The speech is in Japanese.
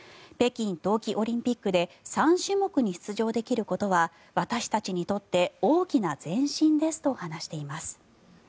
北京冬季オリンピックで３種目に出場できることは私たちにとって大きな前進ですと話しています。